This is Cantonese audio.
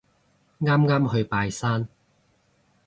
啱啱去拜山